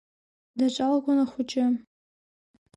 Даҿалкуан ахәыҷы.